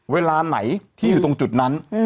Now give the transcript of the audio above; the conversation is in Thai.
เวลาไหนที่อยู่ตรงจุดนั้น